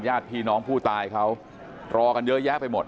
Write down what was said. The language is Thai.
ญาติพี่น้องผู้ตายเขารอกันเยอะแยะไปหมด